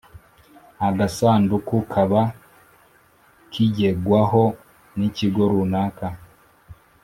agasanduku kaba kigengwaho n’ikigo runaka.